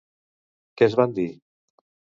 Què es van dir?